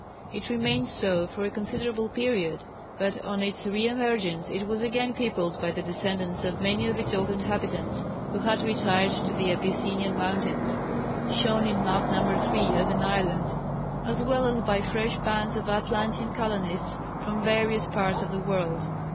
It remained so for a considerable period, but on its re emergence it was again peopled by the descendants of many of its old inhabitants who had retired to the Abyssinian mountains (shown in Map No. 3 as an island) as well as by fresh bands of Atlantean colonists from various parts of the world.